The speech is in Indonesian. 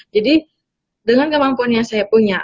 jadi dengan kemampuan yang saya punya